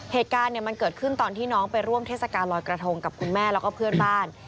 เหตุการณ์มันเกิดขึ้นตอนที่น้องไปร่วมเทศกาลลอยกระทงกับคุณแม่แล้วก็เพื่อนบ้าน